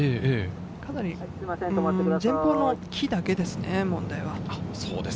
かなり前方の木だけですね、問題は。